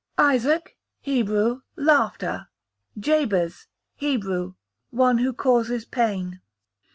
Isaac, Hebrew, laughter. Jabez, Hebrew, one who causes pain.